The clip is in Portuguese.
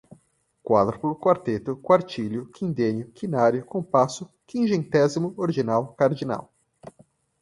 Quádruplo, quarteto, quartilho, quindênio, quinário, compasso, quingentésimo, ordinal, cardinal